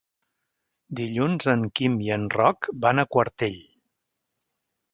Dilluns en Quim i en Roc van a Quartell.